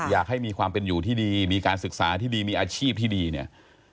อยากให้มีความเป็นอยู่ที่ดีมีการศึกษาที่ดีมีอาชีพที่ดีเนี่ย